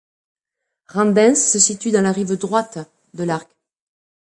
Randens se situe dans la rive droite de l'Arc.